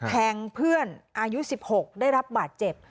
แทงเพื่อนอายุ๑๖ได้รับบาดเจ็บ